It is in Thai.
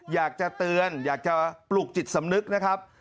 อยากจะเตือนอยากจะปลูกจิตสำนึกนะครับ